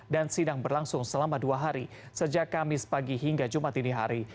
dan sidang berlangsung selama dua hari sejak kamis pagi hingga jumat ini hari